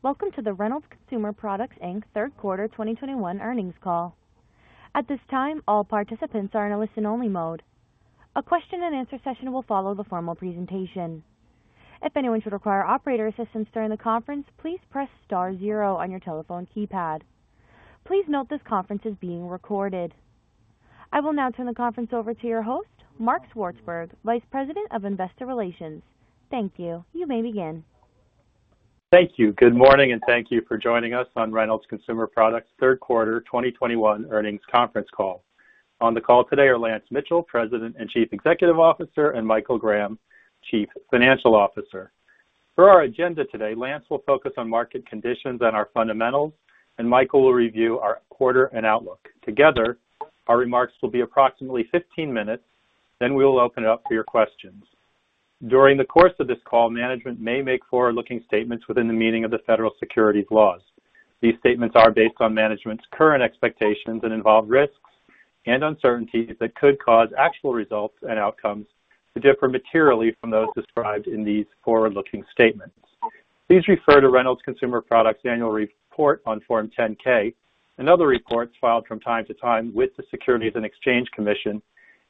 Welcome to the Reynolds Consumer Products Inc. Third Quarter 2021 Earnings Call. At this time, all participants are in a listen-only mode. A question and answer session will follow the formal presentation. If anyone should require operator assistance during the conference, please press star zero on your telephone keypad. Please note this conference is being recorded. I will now turn the conference over to your host, Mark Swartzberg, Vice President of Investor Relations. Thank you. You may begin. Thank you. Good morning, and thank you for joining us on Reynolds Consumer Products Third Quarter 2021 Earnings Conference Call. On the call today are Lance Mitchell, President and Chief Executive Officer, and Michael Graham, Chief Financial Officer. Per our agenda today, Lance will focus on market conditions and our fundamentals, and Michael will review our quarter and outlook. Together, our remarks will be approximately 15 minutes, then we will open it up for your questions. During the course of this call, management may make forward-looking statements within the meaning of the federal securities laws. These statements are based on management's current expectations and involve risks and uncertainties that could cause actual results and outcomes to differ materially from those described in these forward-looking statements. Please refer to Reynolds Consumer Products Annual Report on Form 10-K and other reports filed from time to time with the Securities and Exchange Commission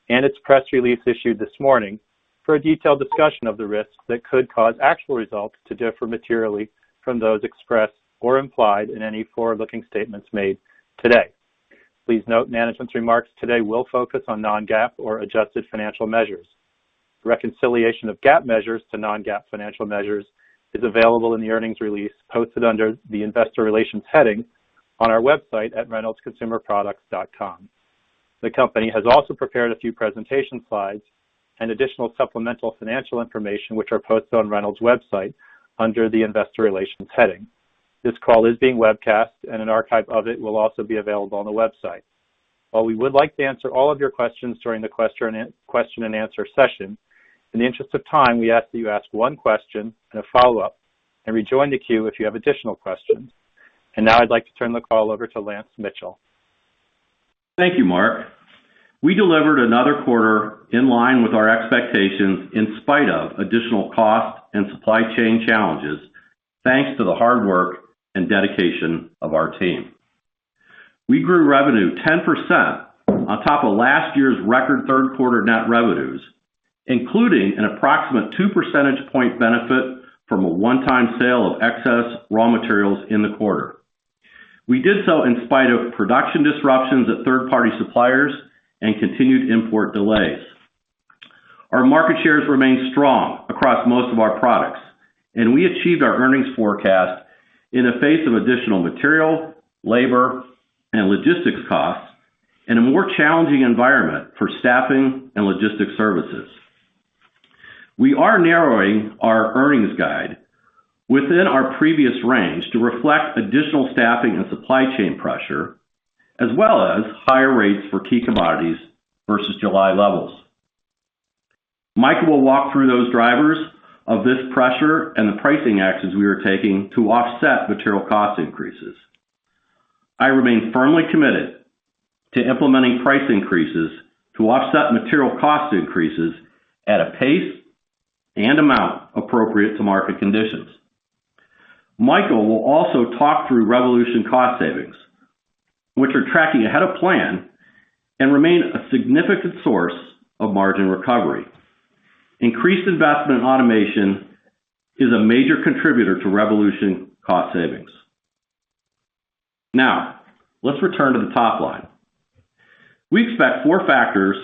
and its press release issued this morning for a detailed discussion of the risks that could cause actual results to differ materially from those expressed or implied in any forward-looking statements made today. Please note management's remarks today will focus on non-GAAP or adjusted financial measures. Reconciliation of GAAP measures to non-GAAP financial measures is available in the earnings release posted under the Investor Relations heading on our website at reynoldsconsumerproducts.com. The company has also prepared a few presentation slides and additional supplemental financial information, which are posted on Reynolds' website under the Investor Relations heading. This call is being webcast and an archive of it will also be available on the website. While we would like to answer all of your questions during the question and answer session, in the interest of time, we ask that you ask one question and a follow-up and rejoin the queue if you have additional questions. Now I'd like to turn the call over to Lance Mitchell. Thank you, Mark. We delivered another quarter in line with our expectations in spite of additional cost and supply chain challenges, thanks to the hard work and dedication of our team. We grew revenue 10% on top of last year's record third quarter net revenues, including an approximate 2 percentage point benefit from a one-time sale of excess raw materials in the quarter. We did so in spite of production disruptions at third-party suppliers and continued import delays. Our market shares remain strong across most of our products, and we achieved our earnings forecast in the face of additional material, labor, and logistics costs in a more challenging environment for staffing and logistics services. We are narrowing our earnings guide within our previous range to reflect additional staffing and supply chain pressure, as well as higher rates for key commodities versus July levels. Michael will walk through those drivers of this pressure and the pricing actions we are taking to offset material cost increases. I remain firmly committed to implementing price increases to offset material cost increases at a pace and amount appropriate to market conditions. Michael will also talk through Reyvolution cost savings, which are tracking ahead of plan and remain a significant source of margin recovery. Increased investment in automation is a major contributor to Reyvolution cost savings. Now, let's return to the top line. We expect four factors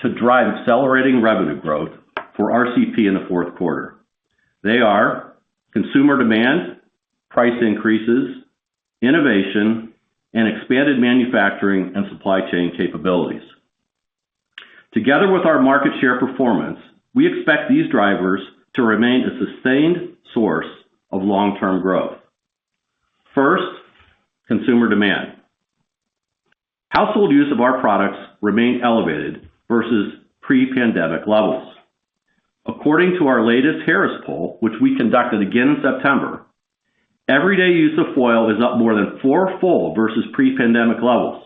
to drive accelerating revenue growth for RCP in the fourth quarter. They are consumer demand, price increases, innovation, and expanded manufacturing and supply chain capabilities. Together with our market share performance, we expect these drivers to remain a sustained source of long-term growth. First, consumer demand. Household use of our products remain elevated versus pre-pandemic levels. According to our latest Harris Poll, which we conducted again in September, everyday use of foil is up more than fourfold versus pre-pandemic levels,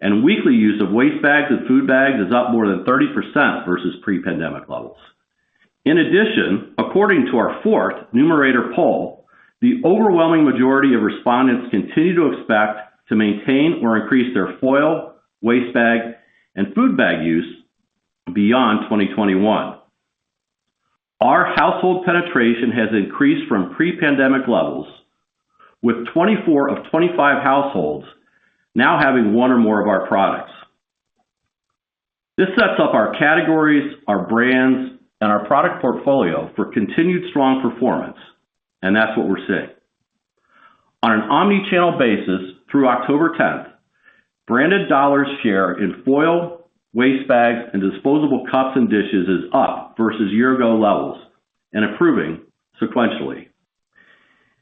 and weekly use of waste bags and food bags is up more than 30% versus pre-pandemic levels. In addition, according to our fourth Numerator poll, the overwhelming majority of respondents continue to expect to maintain or increase their foil, waste bag, and food bag use beyond 2021. Our household penetration has increased from pre-pandemic levels, with 24 of 25 households now having one or more of our products. This sets up our categories, our brands, and our product portfolio for continued strong performance, and that's what we're seeing. On an omni-channel basis through October 10th, branded dollars share in foil, waste bags, and disposable cups and dishes is up versus year ago levels and improving sequentially.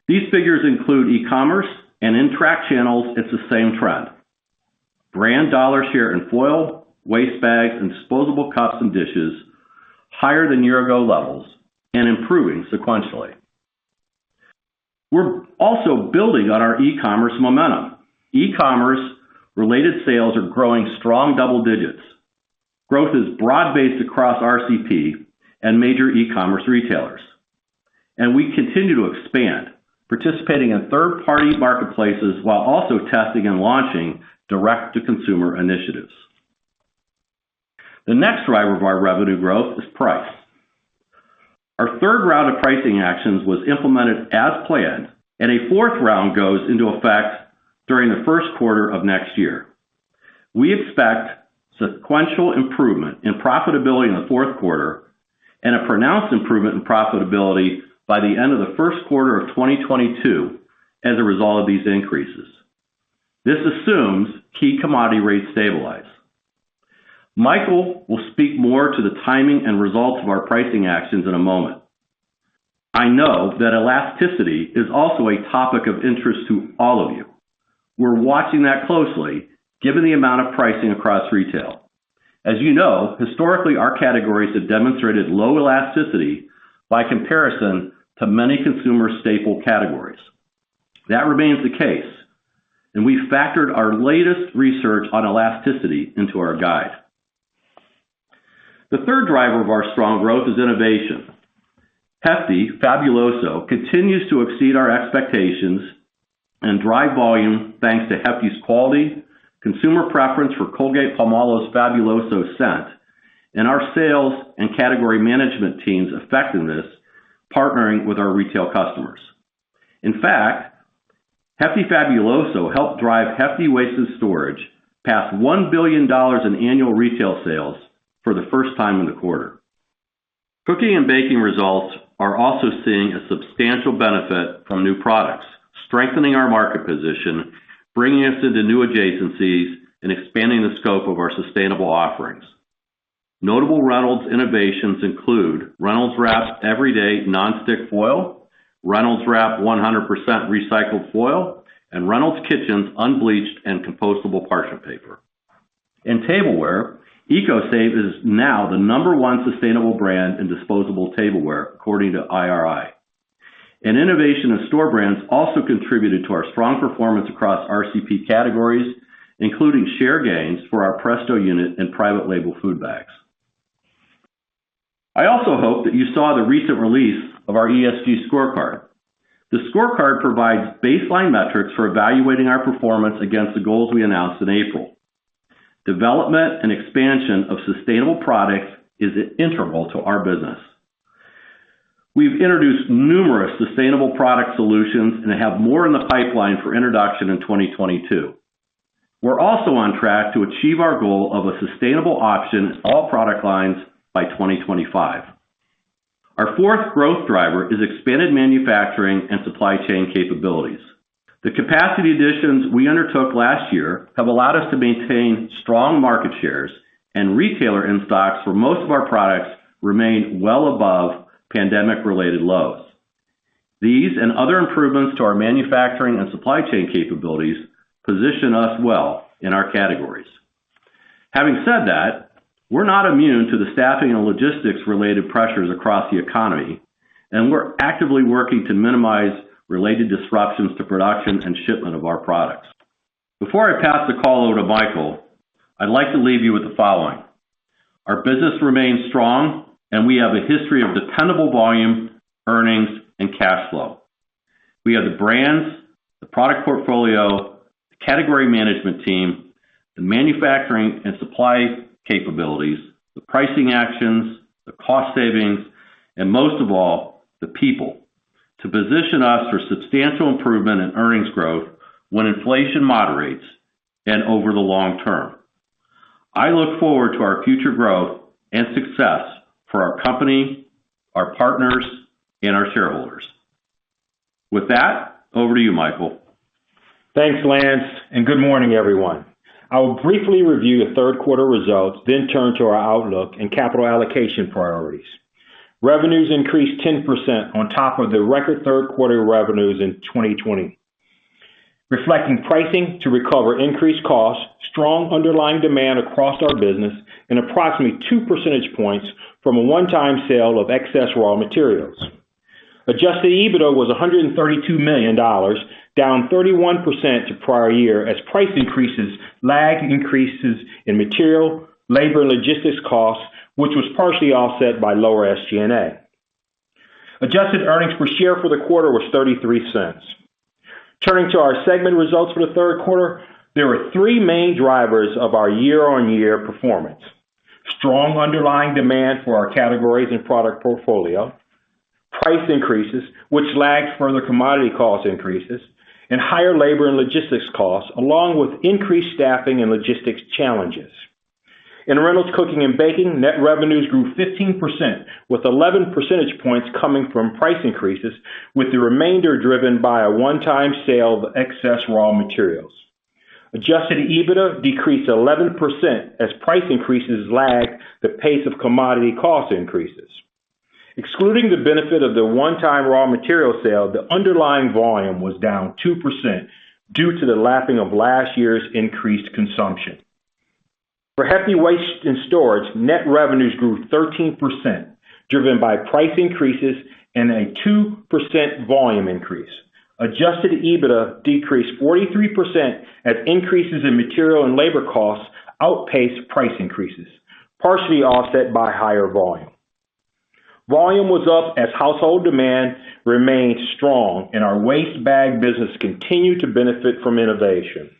These figures include e-commerce. In track channels, it's the same trend. Brand dollar share in foil, waste bags, and disposable cups and dishes higher than year ago levels and improving sequentially. We're also building on our e-commerce momentum. E-commerce related sales are growing strong double digits. Growth is broad-based across RCP and major e-commerce retailers. We continue to expand, participating in third-party marketplaces while also testing and launching direct-to-consumer initiatives. The next driver of our revenue growth is price. Our third round of pricing actions was implemented as planned, and a fourth round goes into effect during the first quarter of next year. We expect sequential improvement in profitability in the fourth quarter and a pronounced improvement in profitability by the end of the first quarter of 2022 as a result of these increases. This assumes key commodity rates stabilize. Michael will speak more to the timing and results of our pricing actions in a moment. I know that elasticity is also a topic of interest to all of you. We're watching that closely given the amount of pricing across retail. As you know, historically, our categories have demonstrated low elasticity by comparison to many consumer staple categories. That remains the case, and we factored our latest research on elasticity into our guide. The third driver of our strong growth is innovation. Hefty Fabuloso continues to exceed our expectations and drive volume, thanks to Hefty's quality, consumer preference for Colgate-Palmolive's Fabuloso scent, and our sales and category management team's effectiveness partnering with our retail customers. In fact, Hefty Fabuloso helped drive Hefty Waste and Storage past $1 billion in annual retail sales for the first time in the quarter. Cooking and baking results are also seeing a substantial benefit from new products, strengthening our market position, bringing us into new adjacencies, and expanding the scope of our sustainable offerings. Notable Reynolds innovations include Reynolds Wrap Everyday Non-Stick Foil, Reynolds Wrap 100% Recycled Foil, and Reynolds Kitchens Unbleached and Compostable Parchment Paper. In tableware, ECOSAVE is now the number one sustainable brand in disposable tableware, according to IRI. Innovation of store brands also contributed to our strong performance across RCP categories, including share gains for our Presto unit and private label food bags. I also hope that you saw the recent release of our ESG scorecard. The scorecard provides baseline metrics for evaluating our performance against the goals we announced in April. Development and expansion of sustainable products is integral to our business. We've introduced numerous sustainable product solutions and have more in the pipeline for introduction in 2022. We're also on track to achieve our goal of a sustainable option in all product lines by 2025. Our fourth growth driver is expanded manufacturing and supply chain capabilities. The capacity additions we undertook last year have allowed us to maintain strong market shares and retailer in-stocks for most of our products remain well above pandemic-related lows. These and other improvements to our manufacturing and supply chain capabilities position us well in our categories. Having said that, we're not immune to the staffing and logistics-related pressures across the economy, and we're actively working to minimize related disruptions to production and shipment of our products. Before I pass the call over to Michael, I'd like to leave you with the following. Our business remains strong, and we have a history of dependable volume, earnings, and cash flow. We have the brands, the product portfolio, the category management team, the manufacturing and supply capabilities, the pricing actions, the cost savings, and most of all, the people to position us for substantial improvement in earnings growth when inflation moderates and over the long term. I look forward to our future growth and success for our company, our partners, and our shareholders. With that, over to you, Michael. Thanks, Lance, and good morning, everyone. I will briefly review the third quarter results, then turn to our outlook and capital allocation priorities. Revenues increased 10% on top of the record third quarter revenues in 2020, reflecting pricing to recover increased costs, strong underlying demand across our business, and approximately 2 percentage points from a one-time sale of excess raw materials. Adjusted EBITDA was $132 million, down 31% to prior year as price increases lagged increases in material, labor, and logistics costs, which was partially offset by lower SG&A. Adjusted earnings per share for the quarter was $0.33. Turning to our segment results for the third quarter, there were three main drivers of our year-on-year performance. Strong underlying demand for our categories and product portfolio, price increases, which lagged further commodity cost increases, and higher labor and logistics costs, along with increased staffing and logistics challenges. In Reynolds Cooking & Baking, net revenues grew 15%, with 11 percentage points coming from price increases, with the remainder driven by a one-time sale of excess raw materials. Adjusted EBITDA decreased 11% as price increases lagged the pace of commodity cost increases. Excluding the benefit of the one-time raw material sale, the underlying volume was down 2% due to the lapping of last year's increased consumption. For Hefty Waste and Storage, net revenues grew 13%, driven by price increases and a 2% volume increase. Adjusted EBITDA decreased 43% as increases in material and labor costs outpaced price increases, partially offset by higher volume. Volume was up as household demand remained strong and our waste bag business continued to benefit from innovation.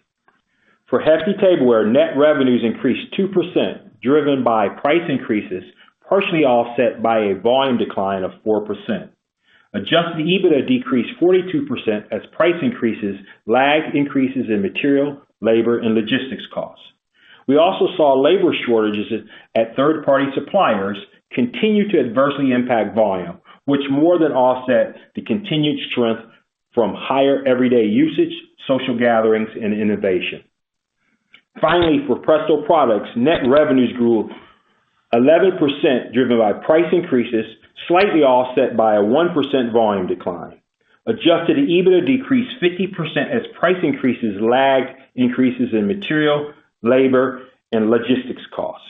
For Hefty Tableware, net revenues increased 2%, driven by price increases, partially offset by a volume decline of 4%. Adjusted EBITDA decreased 42% as price increases lagged increases in material, labor, and logistics costs. We also saw labor shortages at third-party suppliers continue to adversely impact volume, which more than offset the continued strength from higher everyday usage, social gatherings, and innovation. Finally, for Presto Products, net revenues grew 11%, driven by price increases, slightly offset by a 1% volume decline. Adjusted EBITDA decreased 50% as price increases lagged increases in material, labor, and logistics costs.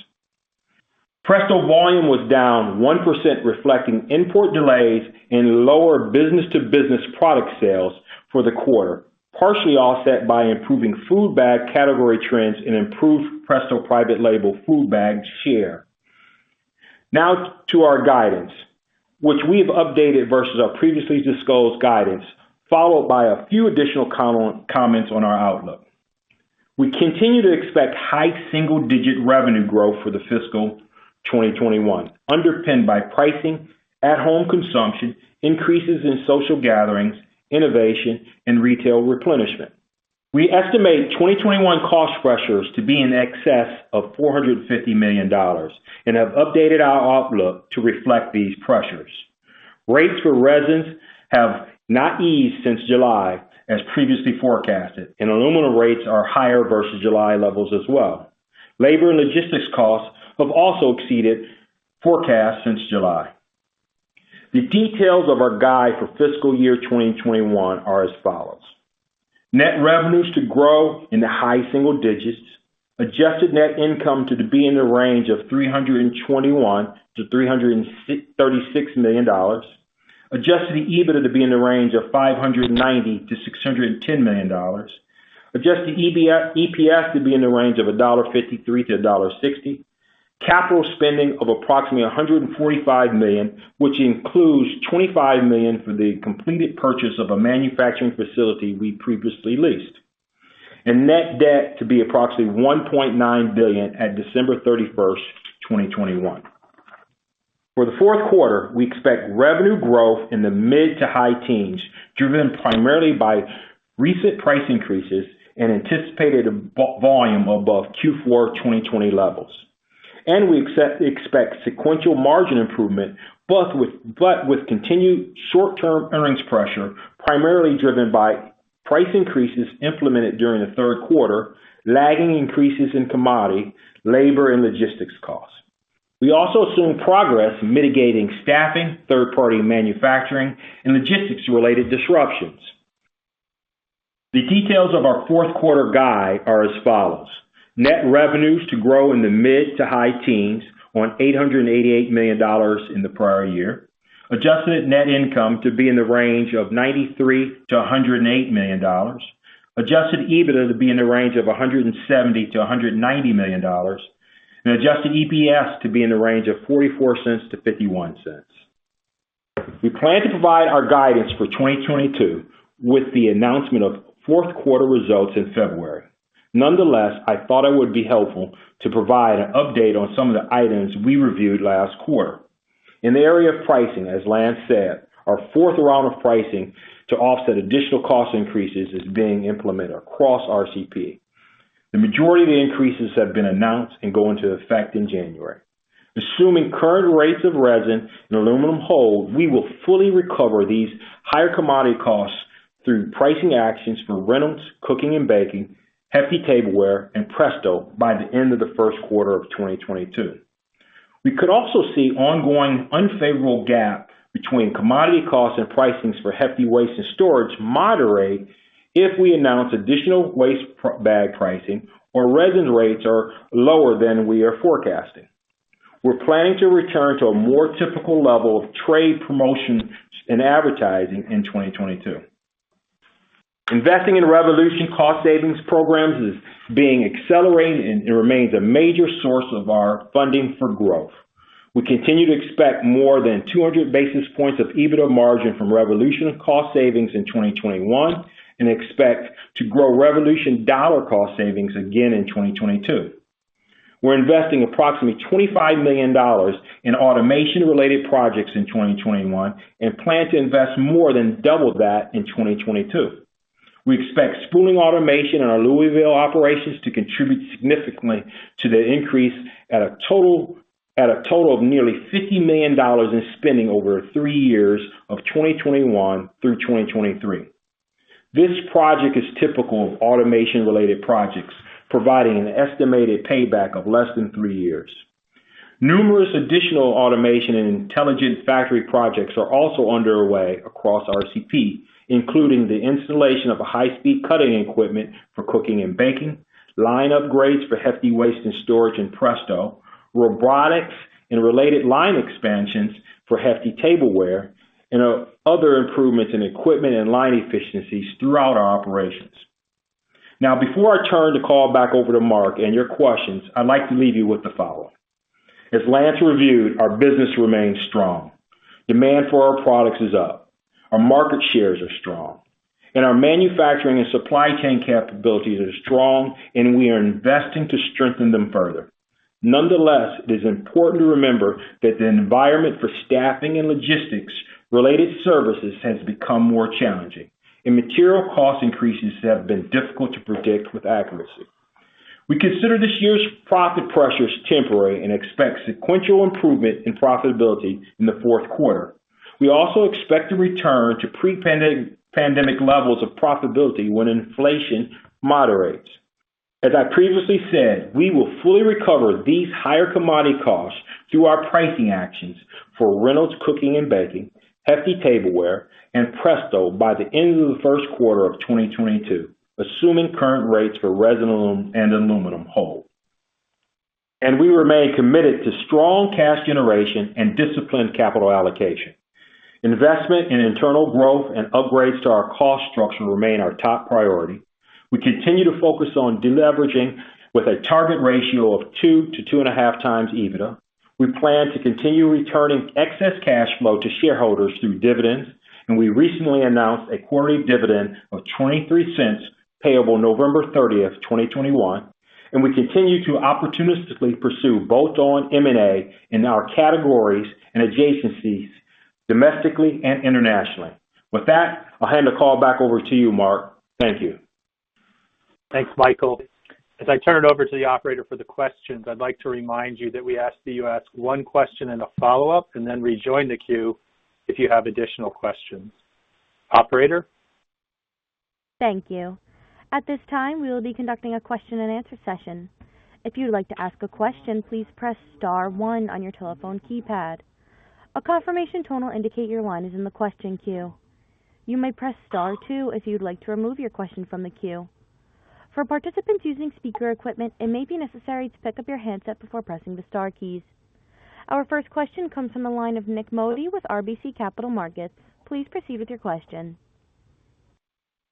Presto volume was down 1%, reflecting import delays and lower business-to-business product sales for the quarter, partially offset by improving food bag category trends and improved Presto private label food bag share. Now to our guidance, which we've updated versus our previously disclosed guidance, followed by a few additional comments on our outlook. We continue to expect high single-digit revenue growth for fiscal 2021, underpinned by pricing, at-home consumption, increases in social gatherings, innovation, and retail replenishment. We estimate 2021 cost pressures to be in excess of $450 million and have updated our outlook to reflect these pressures. Rates for resins have not eased since July, as previously forecasted, and aluminum rates are higher versus July levels as well. Labor and logistics costs have also exceeded forecasts since July. The details of our guide for fiscal year 2021 are as follows: Net revenues to grow in the high single digits%. Adjusted net income to be in the range of $321 million-$336 million. Adjusted EBITDA to be in the range of $590 million-$610 million. Adjusted EPS to be in the range of $1.53-$1.60. Capital spending of approximately $145 million, which includes $25 million for the completed purchase of a manufacturing facility we previously leased. Net debt to be approximately $1.9 billion at December 31st, 2021. For the fourth quarter, we expect revenue growth in the mid to high teens, driven primarily by recent price increases and anticipated volume above Q4 2020 levels. We expect sequential margin improvement, both with continued short-term earnings pressure, primarily driven by price increases implemented during the third quarter, lagging increases in commodity, labor, and logistics costs. We also assume progress in mitigating staffing, third-party manufacturing, and logistics-related disruptions. The details of our fourth quarter guide are as follows. Net revenues to grow in the mid- to high teens on $888 million in the prior year. Adjusted net income to be in the range of $93 million-$108 million. Adjusted EBITDA to be in the range of $170 million-$190 million. Adjusted EPS to be in the range of $0.44-$0.51. We plan to provide our guidance for 2022 with the announcement of fourth quarter results in February. Nonetheless, I thought it would be helpful to provide an update on some of the items we reviewed last quarter. In the area of pricing, as Lance said, our fourth round of pricing to offset additional cost increases is being implemented across RCP. The majority of the increases have been announced and go into effect in January. Assuming current rates of resin and aluminum hold, we will fully recover these higher commodity costs through pricing actions for Reynolds Cooking and Baking, Hefty Tableware, and Presto by the end of the first quarter of 2022. We could also see ongoing unfavorable gap between commodity costs and pricing for Hefty Waste and Storage moderate if we announce additional waste per-bag pricing or resin rates are lower than we are forecasting. We're planning to return to a more typical level of trade promotions and advertising in 2022. Investing in Reyvolution cost savings programs is being accelerated and it remains a major source of our funding for growth. We continue to expect more than 200 basis points of EBITDA margin from Reyvolution cost savings in 2021 and expect to grow Reyvolution dollar cost savings again in 2022. We're investing approximately $25 million in automation-related projects in 2021 and plan to invest more than double that in 2022. We expect spooling automation in our Louisville operations to contribute significantly to the increase at a total of nearly $50 million in spending over three years of 2021 through 2023. This project is typical of automation-related projects, providing an estimated payback of less than three years. Numerous additional automation and intelligent factory projects are also underway across RCP, including the installation of a high-speed cutting equipment for cooking and baking, line upgrades for Hefty Waste and Storage and Presto, robotics and related line expansions for Hefty Tableware and other improvements in equipment and line efficiencies throughout our operations. Now, before I turn the call back over to Mark and your questions, I'd like to leave you with the following. As Lance reviewed, our business remains strong. Demand for our products is up, our market shares are strong, and our manufacturing and supply chain capabilities are strong, and we are investing to strengthen them further. Nonetheless, it is important to remember that the environment for staffing and logistics related services has become more challenging, and material cost increases have been difficult to predict with accuracy. We consider this year's profit pressures temporary and expect sequential improvement in profitability in the fourth quarter. We also expect to return to pre-pandemic levels of profitability when inflation moderates. As I previously said, we will fully recover these higher commodity costs through our pricing actions for Reynolds Cooking and Baking, Hefty Tableware, and Presto by the end of the first quarter of 2022, assuming current rates for resin, alum, and aluminum hold. We remain committed to strong cash generation and disciplined capital allocation. Investment in internal growth and upgrades to our cost structure remain our top priority. We continue to focus on de-leveraging with a target ratio of 2x-2.5x EBITDA. We plan to continue returning excess cash flow to shareholders through dividends, and we recently announced a quarterly dividend of $0.23 payable November 30th, 2021, and we continue to opportunistically pursue both on M&A in our categories and adjacencies domestically and internationally. With that, I'll hand the call back over to you, Mark. Thank you. Thanks, Michael. As I turn it over to the operator for the questions, I'd like to remind you that we ask that you ask one question and a follow-up, and then rejoin the queue if you have additional questions. Operator? Thank you. At this time, we will be conducting a question and answer session. If you'd like to ask a question, please press star one on your telephone keypad. A confirmation tone will indicate your line is in the question queue. You may press star two if you'd like to remove your question from the queue. For participants using speaker equipment, it may be necessary to pick up your handset before pressing the star keys. Our first question comes from the line of Nik Modi with RBC Capital Markets. Please proceed with your question.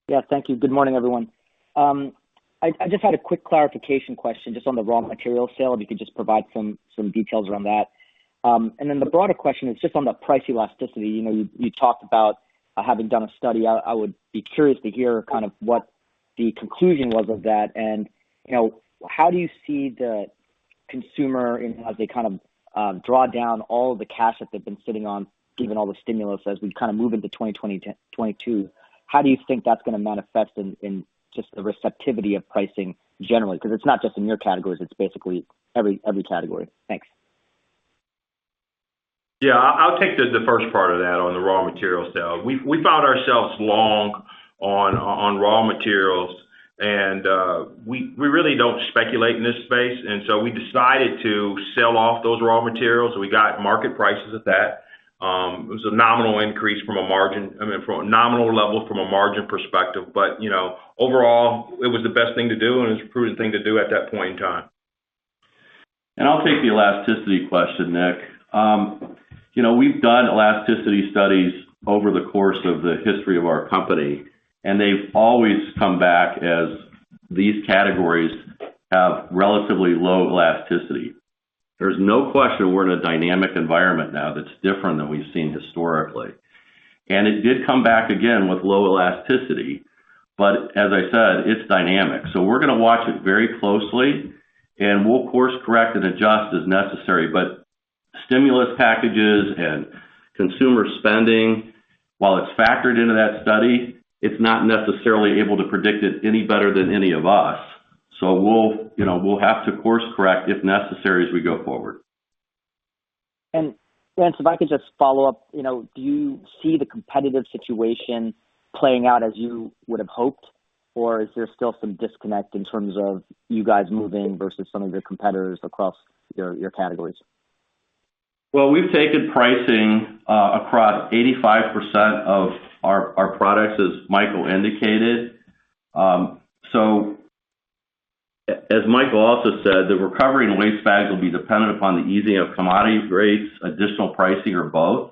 Yeah, thank you. Good morning, everyone. I just had a quick clarification question just on the raw material sale, if you could just provide some details around that. And then the broader question is just on the price elasticity. You know, you talked about having done a study. I would be curious to hear kind of what the conclusion was of that. And, you know, how do you see the consumer and as they kind of draw down all the cash that they've been sitting on, given all the stimulus as we kind of move into 2022, how do you think that's gonna manifest in just the receptivity of pricing generally? Because it's not just in your categories, it's basically every category. Thanks. Yeah. I'll take the first part of that on the raw material sale. We found ourselves long on raw materials and we really don't speculate in this space, and so we decided to sell off those raw materials, so we got market prices at that. It was a nominal increase from a margin. I mean, from a nominal level from a margin perspective. You know, overall, it was the best thing to do, and it's a prudent thing to do at that point in time. I'll take the elasticity question, Nik. You know, we've done elasticity studies over the course of the history of our company, and they've always come back as these categories have relatively low elasticity. There's no question we're in a dynamic environment now that's different than we've seen historically. It did come back again with low elasticity. As I said, it's dynamic. We're gonna watch it very closely and we'll course correct and adjust as necessary. Stimulus packages and consumer spending, while it's factored into that study, it's not necessarily able to predict it any better than any of us. We'll, you know, have to course correct if necessary as we go forward. If I could just follow up, you know, do you see the competitive situation playing out as you would have hoped, or is there still some disconnect in terms of you guys moving versus some of your competitors across your categories? Well, we've taken pricing across 85% of our products, as Michael indicated. As Michael also said, the recovery in waste bags will be dependent upon the easing of commodity rates, additional pricing or both.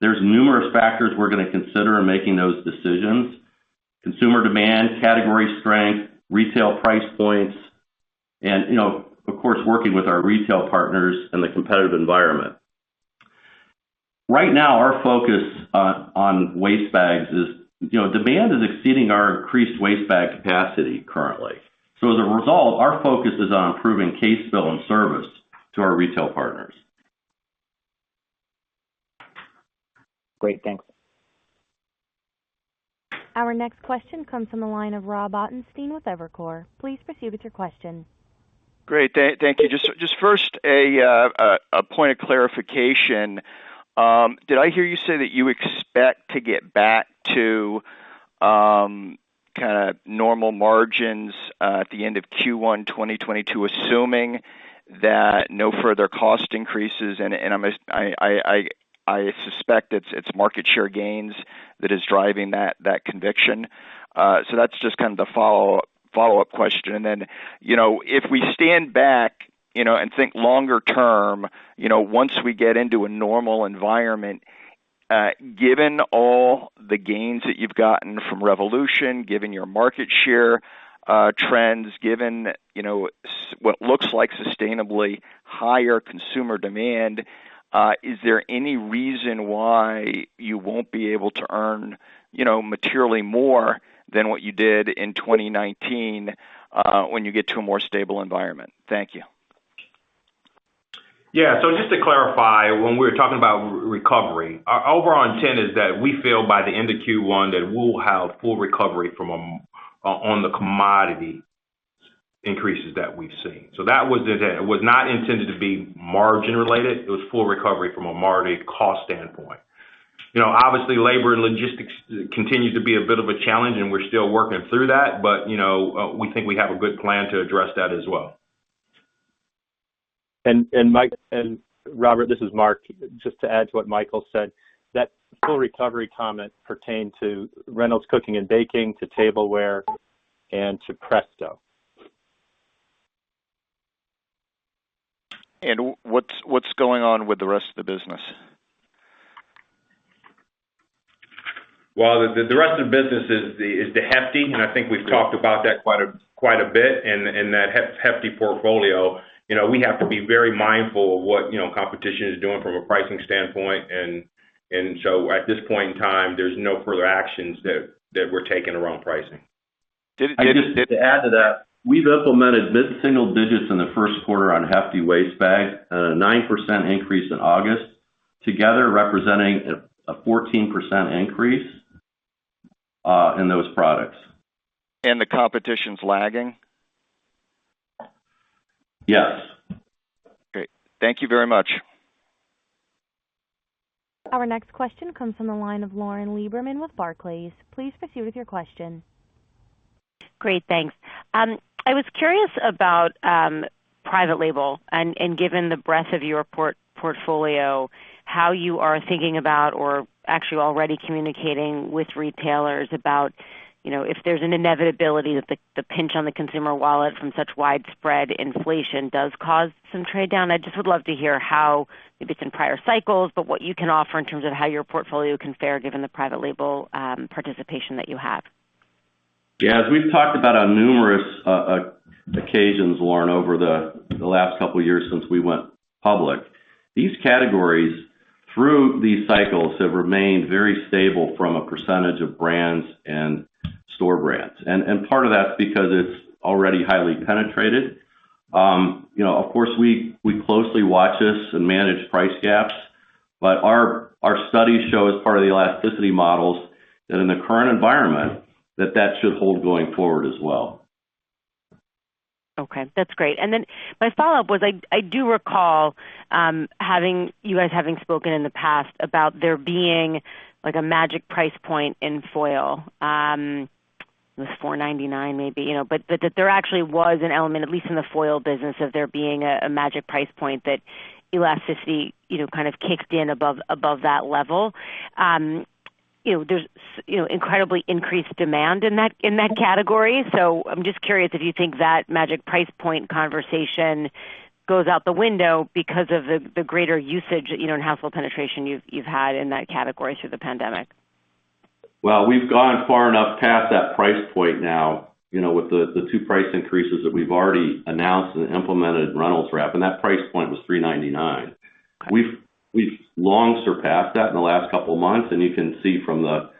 There's numerous factors we're gonna consider in making those decisions. Consumer demand, category strength, retail price points, and, you know, of course, working with our retail partners and the competitive environment. Right now, our focus on waste bags is, you know, demand is exceeding our increased waste bag capacity currently. As a result, our focus is on improving case fill and service to our retail partners. Great. Thanks. Our next question comes from the line of Rob Ottenstein with Evercore. Please proceed with your question. Great. Thank you. Just first, a point of clarification. Did I hear you say that you expect to get back to kinda normal margins at the end of Q1, 2022, assuming that no further cost increases? I'm asking, I suspect it's market share gains that is driving that conviction. That's just kind of the follow-up. Follow-up question. You know, if we stand back, you know, and think longer term, you know, once we get into a normal environment, given all the gains that you've gotten from Reyvolution, given your market share trends, given, you know, so what looks like sustainably higher consumer demand, is there any reason why you won't be able to earn, you know, materially more than what you did in 2019, when you get to a more stable environment? Thank you. Yeah. Just to clarify, when we were talking about recovery, our overall intent is that we feel by the end of Q1 that we'll have full recovery from the commodity increases that we've seen. That was not intended to be margin related. It was full recovery from a margin cost standpoint. You know, obviously, labor and logistics continues to be a bit of a challenge, and we're still working through that. You know, we think we have a good plan to address that as well. Robert, this is Mark. Just to add to what Michael said, that full recovery comment pertained to Reynolds Cooking and Baking, to Tableware, and to Presto. What's going on with the rest of the business? Well, the rest of the business is the Hefty, and I think we've talked about that quite a bit. That Hefty portfolio, you know, we have to be very mindful of what, you know, competition is doing from a pricing standpoint. So at this point in time, there's no further actions that we're taking around pricing. Did it- Just to add to that, we've implemented mid-single digits in the first quarter on Hefty waste bags and a 9% increase in August, together representing a 14% increase in those products. The competition's lagging? Yes. Great. Thank you very much. Our next question comes from the line of Lauren Lieberman with Barclays. Please proceed with your question. Great, thanks. I was curious about private label and given the breadth of your portfolio, how you are thinking about or actually already communicating with retailers about, you know, if there's an inevitability that the pinch on the consumer wallet from such widespread inflation does cause some trade down. I just would love to hear how, maybe it's in prior cycles, but what you can offer in terms of how your portfolio can fare given the private label participation that you have. Yeah. As we've talked about on numerous occasions, Lauren, over the last couple of years since we went public, these categories through these cycles have remained very stable from a percentage of brands and store brands. Part of that's because it's already highly penetrated. You know, of course, we closely watch this and manage price gaps. Our studies show as part of the elasticity models that in the current environment, that should hold going forward as well. Okay, that's great. My follow-up was I do recall you guys having spoken in the past about there being like a magic price point in foil. It was $4.99 maybe, you know. That there actually was an element, at least in the foil business, of there being a magic price point that elasticity, you know, kind of kicked in above that level. You know, there's you know, incredibly increased demand in that category. I'm just curious if you think that magic price point conversation goes out the window because of the greater usage, you know, and household penetration you've had in that category through the pandemic. Well, we've gone far enough past that price point now, you know, with the two price increases that we've already announced and implemented Reynolds Wrap, and that price point was $3.99. We've long surpassed that in the last couple of months, and you can see from the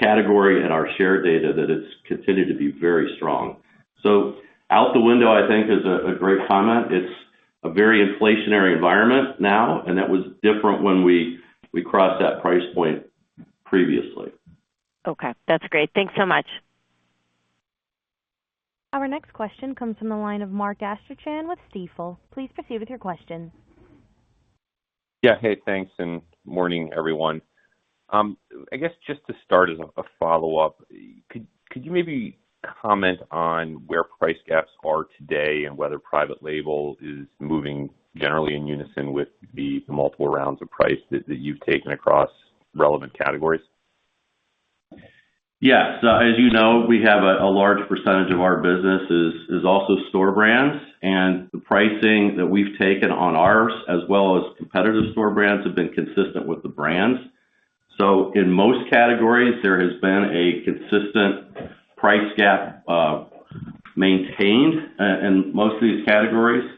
category and our share data that it's continued to be very strong. Out the window, I think, is a great comment. It's a very inflationary environment now, and that was different when we crossed that price point previously. Okay. That's great. Thanks so much. Our next question comes from the line of Mark Astrachan with Stifel. Please proceed with your question. Yeah. Hey, thanks, and morning, everyone. I guess just to start as a follow-up, could you maybe comment on where price gaps are today and whether private label is moving generally in unison with the multiple rounds of price that you've taken across relevant categories? Yeah. As you know, we have a large percentage of our business is also store brands, and the pricing that we've taken on ours as well as competitive store brands have been consistent with the brands. In most categories, there has been a consistent price gap maintained in most of these categories.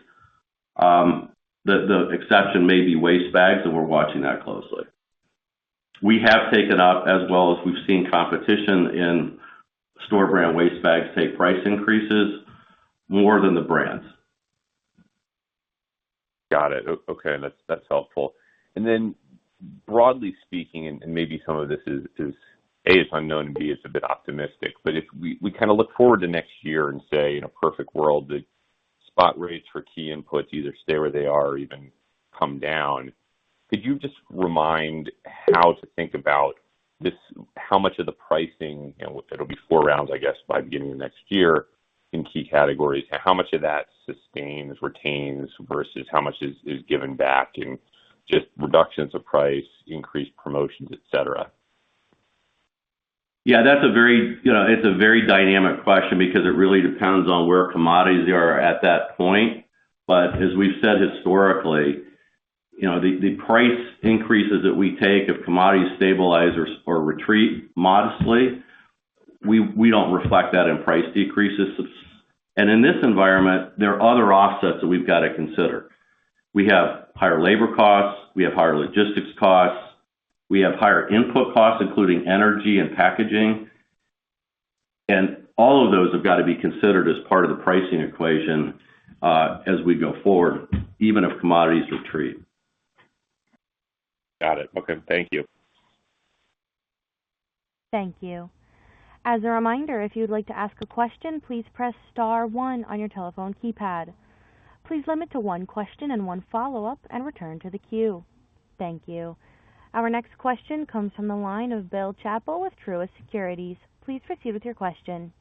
The exception may be waste bags, and we're watching that closely. We have taken up as well as we've seen competition in store brand waste bags take price increases more than the brands. Got it. Okay, that's helpful. Then broadly speaking, maybe some of this is A, it's unknown, and B, it's a bit optimistic. If we kind of look forward to next year and say in a perfect world, the spot rates for key inputs either stay where they are or even come down. Could you just remind how to think about this? How much of the pricing, and it'll be 4 rounds, I guess, by beginning of next year in key categories. How much of that sustains, retains, versus how much is given back in just reductions of price, increased promotions, et cetera? Yeah, that's a very, you know, it's a very dynamic question because it really depends on where commodities are at that point. As we've said historically, you know, the price increases that we take if commodities stabilize or retreat modestly, we don't reflect that in price decreases. In this environment, there are other offsets that we've got to consider. We have higher labor costs, we have higher logistics costs, we have higher input costs, including energy and packaging. All of those have got to be considered as part of the pricing equation, as we go forward, even if commodities retreat. Got it. Okay. Thank you. Thank you. As a reminder, if you'd like to ask a question, please press star one on your telephone keypad. Please limit to one question and one follow-up and return to the queue. Thank you. Our next question comes from the line of Bill Chappell with Truist Securities. Please proceed with your question.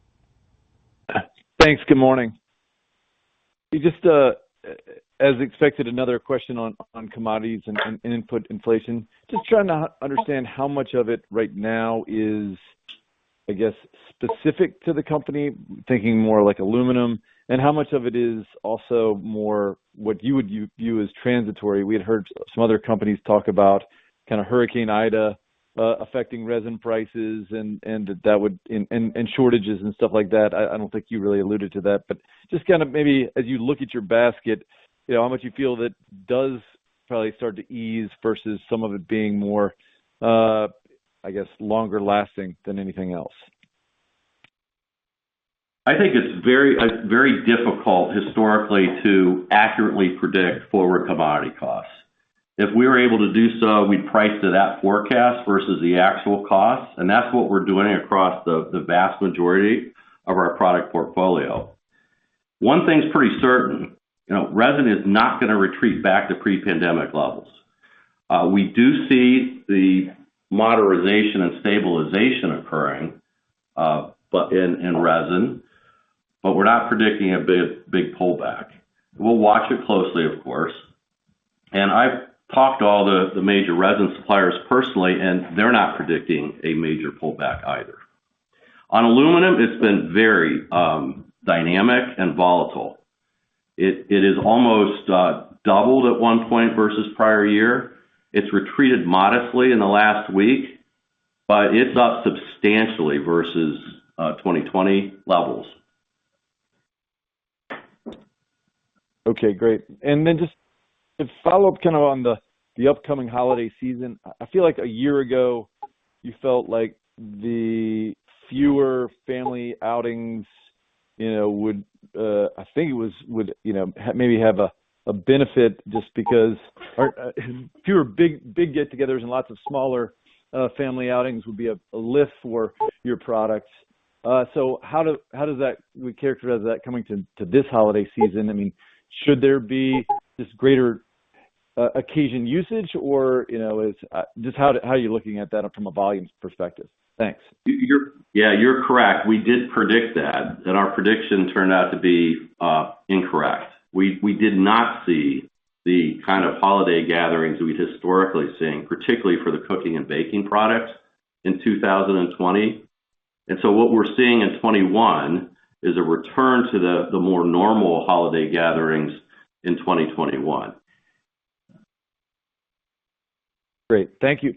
Thanks. Good morning. Just as expected, another question on commodities and input inflation. Just trying to understand how much of it right now is, I guess, specific to the company, thinking more like aluminum, and how much of it is also more what you would view as transitory. We had heard some other companies talk about kind of Hurricane Ida affecting resin prices and shortages and stuff like that. I don't think you really alluded to that, but just kind of maybe as you look at your basket, you know, how much you feel that does probably start to ease versus some of it being more, I guess, longer lasting than anything else. I think it's very difficult historically to accurately predict forward commodity costs. If we were able to do so, we'd price to that forecast versus the actual cost. That's what we're doing across the vast majority of our product portfolio. One thing's pretty certain, you know, resin is not gonna retreat back to pre-pandemic levels. We do see the modernization and stabilization occurring, but in resin, but we're not predicting a big pullback. We'll watch it closely, of course. I've talked to all the major resin suppliers personally, and they're not predicting a major pullback either. On aluminum, it's been very dynamic and volatile. It has almost doubled at one point versus prior year. It's retreated modestly in the last week, but it's up substantially versus 2020 levels. Okay, great. Just a follow-up kind of on the upcoming holiday season. I feel like a year ago, you felt like the fewer family outings, you know, would, I think it was, would, you know, maybe have a benefit just because or fewer big get-togethers and lots of smaller family outings would be a lift for your products. How do we characterize that coming to this holiday season. I mean, should there be this greater occasion usage or, you know, just how are you looking at that from a volumes perspective? Thanks. You're correct. We did predict that, and our prediction turned out to be incorrect. We did not see the kind of holiday gatherings we historically seeing, particularly for the cooking and baking products in 2020. What we're seeing in 2021 is a return to the more normal holiday gatherings in 2021. Great. Thank you.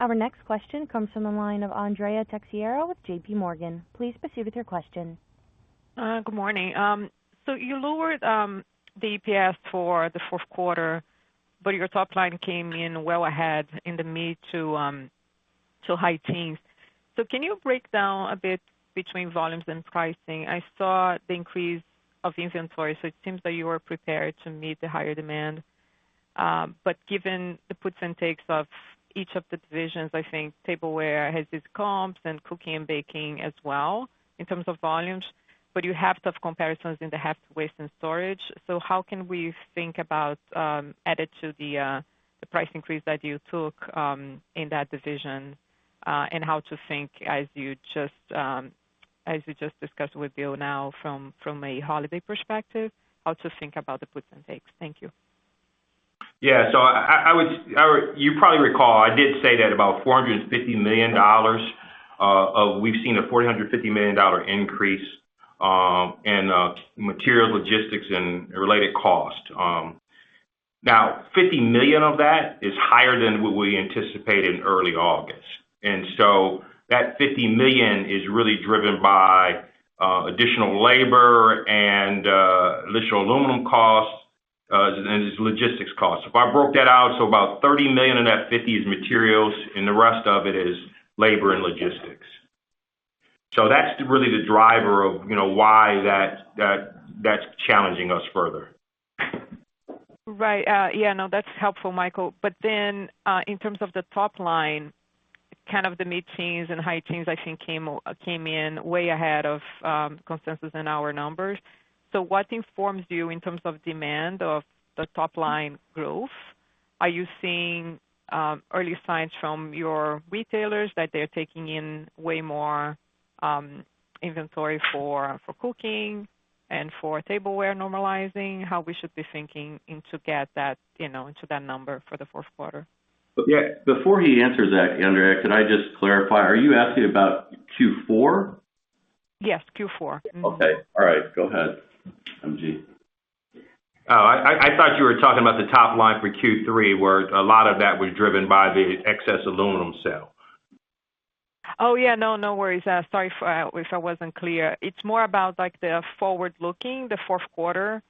Our next question comes from the line of Andrea Teixeira with J.P. Morgan. Please proceed with your question. Good morning. You lowered the EPS for the fourth quarter, but your top line came in well ahead in the mid to high teens. Can you break down a bit between volumes and pricing? I saw the increase of inventory, so it seems that you were prepared to meet the higher demand. Given the puts and takes of each of the divisions, I think tableware has these comps and cooking and baking as well in terms of volumes, but you have tough comparisons in the Hefty Waste and Storage. How can we think about in addition to the price increase that you took in that division, and how to think as you just discussed with Bill now from a holiday perspective, how to think about the puts and takes. Thank you. Yeah. You probably recall, I did say that about $450 million that we've seen a $450 million increase in material logistics and related costs. Now $50 million of that is higher than what we anticipated in early August. That $50 million is really driven by additional labor and additional aluminum costs and logistics costs. If I broke that out, about $30 million in that $50 million is materials, and the rest of it is labor and logistics. That's really the driver of, you know, why that's challenging us further. Right. Yeah, no, that's helpful, Michael. In terms of the top line, kind of the mid-teens and high teens, I think came in way ahead of consensus in our numbers. What informs you in terms of demand of the top line growth? Are you seeing early signs from your retailers that they're taking in way more inventory for cooking and for tableware normalizing? How we should be thinking in to get that, you know, into that number for the fourth quarter? Yeah. Before he answers that, Andrea, could I just clarify, are you asking about Q4? Yes, Q4. Okay. All right. Go ahead, M.G. Oh, I thought you were talking about the top line for Q3, where a lot of that was driven by the excess aluminum sale. Oh, yeah. No, no worries. Sorry if I wasn't clear. It's more about like the forward-looking, the fourth quarter.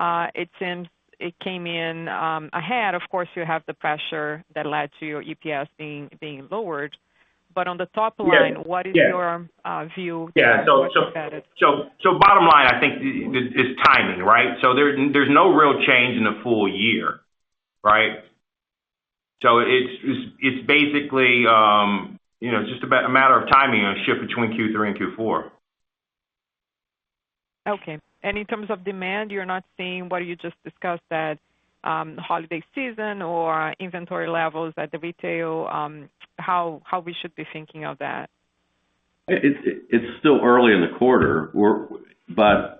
It seems it came in ahead. Of course, you have the pressure that led to your EPS being lowered. On the top line. Yeah. What is your view? Yeah, bottom line, I think it's timing, right? There, there's no real change in the full year, right? It's basically, you know, just a matter of timing, a shift between Q3 and Q4. Okay. In terms of demand, you're not seeing what you just discussed that, holiday season or inventory levels at the retail, how we should be thinking of that? It's still early in the quarter.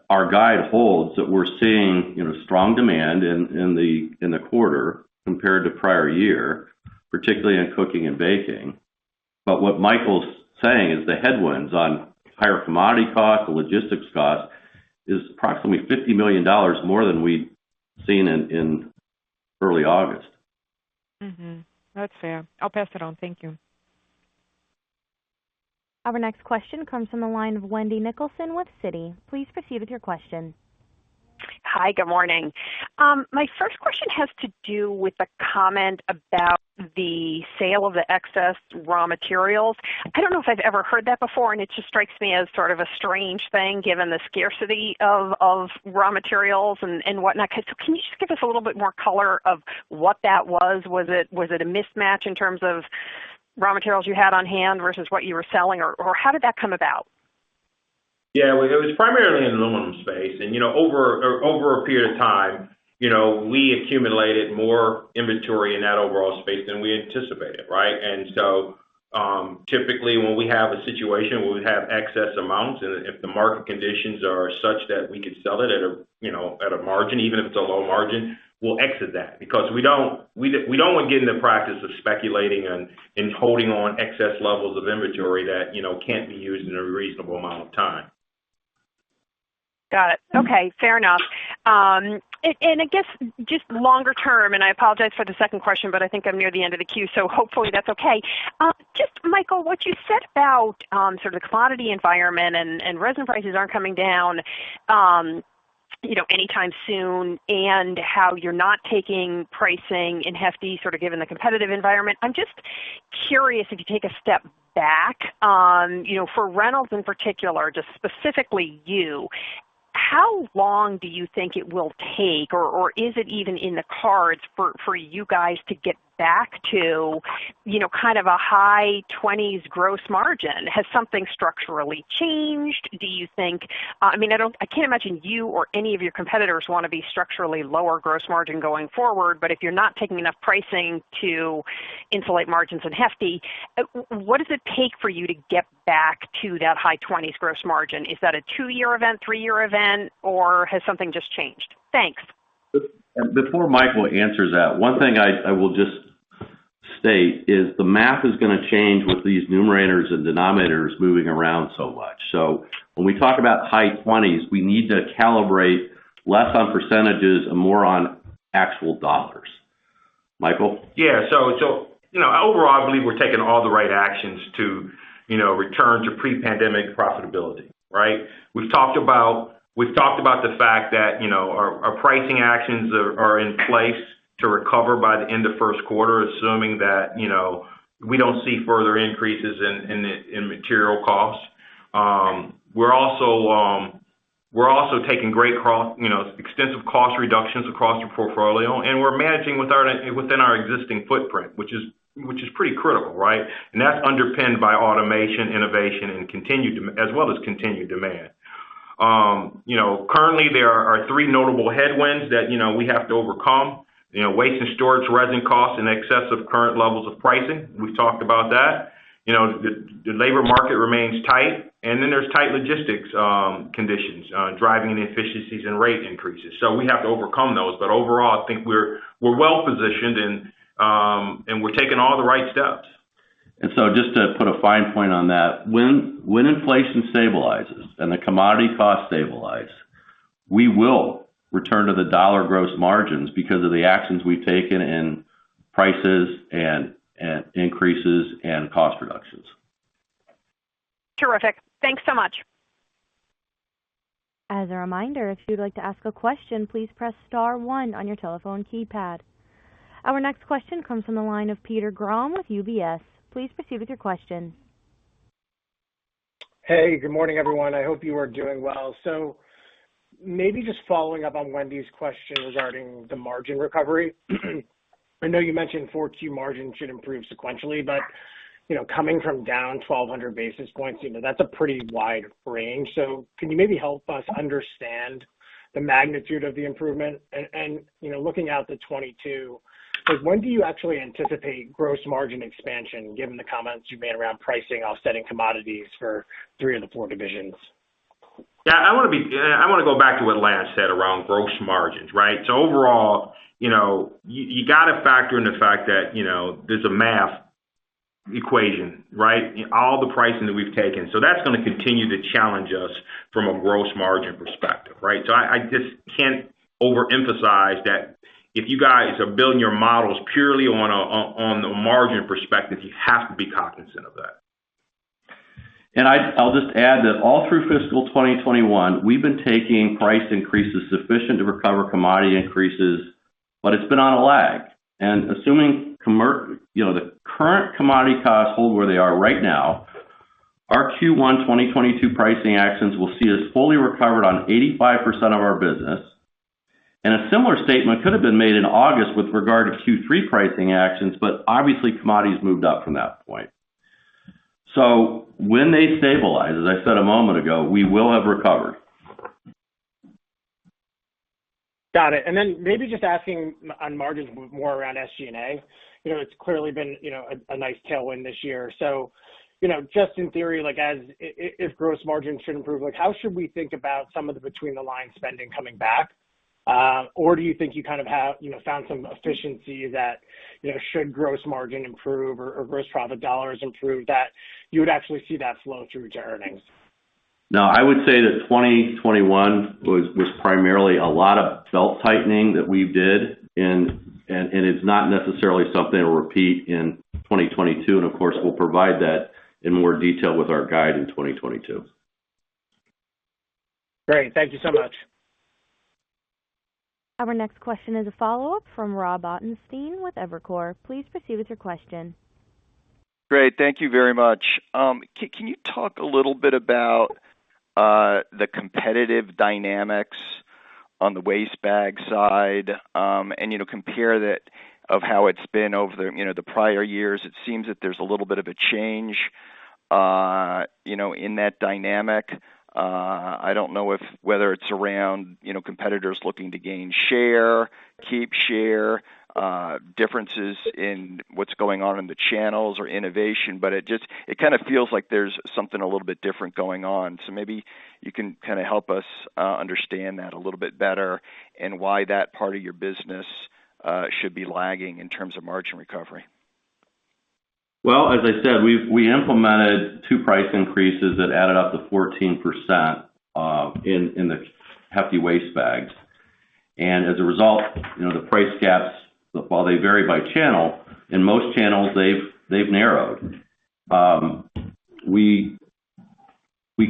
Our guide holds that we're seeing, you know, strong demand in the quarter compared to prior year, particularly in cooking and baking. What Michael's saying is the headwinds on higher commodity costs or logistics costs is approximately $50 million more than we'd seen in early August. Mm-hmm. That's fair. I'll pass it on. Thank you. Our next question comes from the line of Wendy Nicholson with Citi. Please proceed with your question. Hi, good morning. My first question has to do with the comment about the sale of the excess raw materials. I don't know if I've ever heard that before, and it just strikes me as sort of a strange thing given the scarcity of raw materials and whatnot. Can you just give us a little bit more color of what that was? Was it a mismatch in terms of raw materials you had on hand versus what you were selling, or how did that come about? Yeah. Well, it was primarily in the aluminum space. You know, over a period of time, you know, we accumulated more inventory in that overall space than we anticipated, right? Typically, when we have a situation where we have excess amounts, and if the market conditions are such that we could sell it at a margin, even if it's a low margin, we'll exit that because we don't want to get in the practice of speculating and holding on excess levels of inventory that, you know, can't be used in a reasonable amount of time. Got it. Okay. Fair enough. I guess just longer term, and I apologize for the second question, but I think I'm near the end of the queue, so hopefully that's okay. Just Michael, what you said about, sort of the commodity environment and resin prices aren't coming down, you know, anytime soon and how you're not taking pricing in Hefty sort of given the competitive environment. I'm just curious if you take a step back, you know, for Reynolds in particular, just specifically you, how long do you think it will take or is it even in the cards for you guys to get back to, you know, kind of a high 20s gross margin? Has something structurally changed, do you think? I mean, I can't imagine you or any of your competitors wanna be structurally lower gross margin going forward, but if you're not taking enough pricing to insulate margins in Hefty, what does it take for you to get back to that high twenties gross margin? Is that a 2-year event, 3-year event, or has something just changed? Thanks. Before Michael answers that, one thing I will just state is the math is gonna change with these numerators and denominators moving around so much. When we talk about high 20s, we need to calibrate less on percentages and more on actual dollars. Michael. Yeah, you know, overall, I believe we're taking all the right actions to, you know, return to pre-pandemic profitability, right? We've talked about the fact that, you know, our pricing actions are in place to recover by the end of first quarter, assuming that, you know, we don't see further increases in material costs. We're also taking extensive cost reductions across our portfolio, and we're managing within our existing footprint, which is pretty critical, right? That's underpinned by automation, innovation, as well as continued demand. You know, currently, there are three notable headwinds that, you know, we have to overcome. You know, waste and storage resin costs in excess of current levels of pricing. We've talked about that. You know, the labor market remains tight, and then there's tight logistics conditions driving the efficiencies and rate increases. We have to overcome those. Overall, I think we're well-positioned and we're taking all the right steps. Just to put a fine point on that, when inflation stabilizes and the commodity costs stabilize, we will return to the dollar gross margins because of the actions we've taken in prices and increases and cost reductions. Terrific. Thanks so much. As a reminder, if you'd like to ask a question, please press star one on your telephone keypad. Our next question comes from the line of Peter Grom with UBS. Please proceed with your question. Hey, good morning, everyone. I hope you are doing well. Maybe just following up on Wendy's question regarding the margin recovery. I know you mentioned 4Q margins should improve sequentially, but, you know, coming from down 1,200 basis points, you know, that's a pretty wide range. Can you maybe help us understand the magnitude of the improvement? You know, looking out to 2022, when do you actually anticipate gross margin expansion given the comments you made around pricing offsetting commodities for 3 of the 4 divisions? Yeah, I wanna go back to what Lance said around gross margins, right? Overall, you know, you gotta factor in the fact that, you know, there's a math equation, right? All the pricing that we've taken. That's gonna continue to challenge us from a gross margin perspective, right? I just can't overemphasize that if you guys are building your models purely on the margin perspective, you have to be cognizant of that. I'll just add that all through fiscal 2021, we've been taking price increases sufficient to recover commodity increases, but it's been on a lag. Assuming you know, the current commodity costs hold where they are right now, our Q1 2022 pricing actions will see us fully recovered on 85% of our business. A similar statement could have been made in August with regard to Q3 pricing actions, but obviously commodities moved up from that point. When they stabilize, as I said a moment ago, we will have recovered. Got it. Maybe just asking on margins more around SG&A. You know, it's clearly been, you know, a nice tailwind this year. You know, just in theory, like as if gross margins should improve, like how should we think about some of the between the line spending coming back? Or do you think you kind of have, you know, found some efficiency that, you know, should gross margin improve or gross profit dollars improve, that you would actually see that flow through to earnings? No, I would say that 2021 was primarily a lot of belt-tightening that we did and it's not necessarily something we'll repeat in 2022. Of course, we'll provide that in more detail with our guide in 2022. Great. Thank you so much. Our next question is a follow-up from Rob Ottenstein with Evercore. Please proceed with your question. Great. Thank you very much. Can you talk a little bit about the competitive dynamics on the waste bag side? Compare that to how it's been over the prior years. It seems that there's a little bit of a change, you know, in that dynamic. I don't know if it's around, you know, competitors looking to gain share, keep share, differences in what's going on in the channels or innovation, but it just, it kind of feels like there's something a little bit different going on. Maybe you can kind of help us understand that a little bit better and why that part of your business should be lagging in terms of margin recovery. As I said, we've implemented two price increases that added up to 14% in the Hefty waste bags. As a result, you know, the price gaps, while they vary by channel, in most channels, they've narrowed. We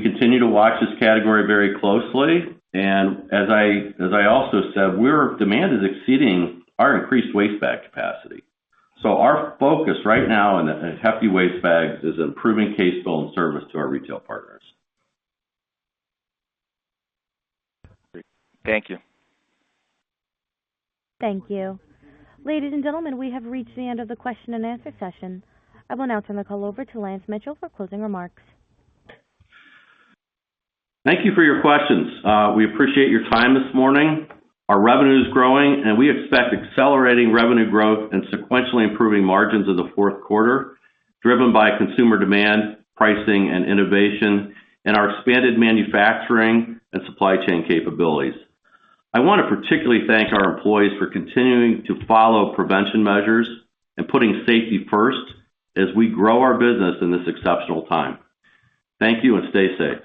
continue to watch this category very closely. As I also said, our demand is exceeding our increased waste bag capacity. Our focus right now in Hefty waste bags is improving case fill and service to our retail partners. Great. Thank you. Thank you. Ladies and gentlemen, we have reached the end of the question and answer session. I will now turn the call over to Lance Mitchell for closing remarks. Thank you for your questions. We appreciate your time this morning. Our revenue is growing, and we expect accelerating revenue growth and sequentially improving margins in the fourth quarter, driven by consumer demand, pricing and innovation, and our expanded manufacturing and supply chain capabilities. I wanna particularly thank our employees for continuing to follow prevention measures and putting safety first as we grow our business in this exceptional time. Thank you, and stay safe.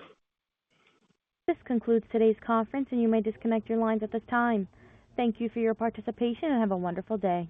This concludes today's conference, and you may disconnect your lines at this time. Thank you for your participation, and have a wonderful day.